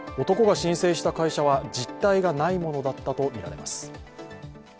男が申請した会社は実体がないものだったとみられます。